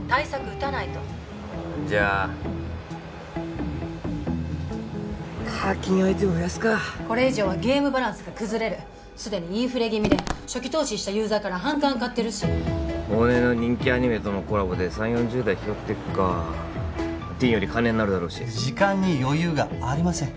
打たないとじゃあ課金アイテム増やすかこれ以上はゲームバランスが崩れる既にインフレ気味で初期投資したユーザーから反感買ってるし往年の人気アニメとのコラボで３０４０代を拾ってくかティーンより金になるだろうし時間に余裕がありません